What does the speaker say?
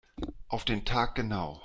Auf den Tag genau.